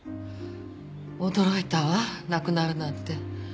驚いたわ亡くなるなんて。